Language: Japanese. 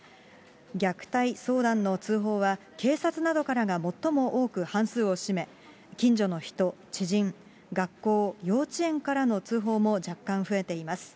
虐待相談の通報は警察などからが最も多く半数を占め、近所の人、知人、学校、幼稚園からの通報も若干増えています。